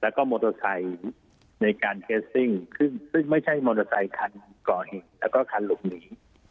แล้วก็มอเตอร์ไซค์ในการเคสซิ่งซึ่งไม่ใช่มอเตอร์ไซคันก่อเหตุแล้วก็คันหลบหนี